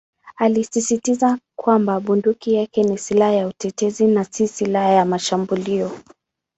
Alisisitiza kwamba bunduki yake ni "silaha ya utetezi" na "si silaha ya mashambulio".